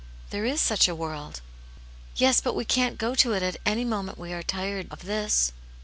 " There is such a world." " Yes, but we can't go to it at any moment we are tired of this.